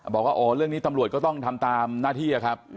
บอกว่าโอ้เรื่องนี้ตำรวจก็ต้องทำตามหน้าที่ครับ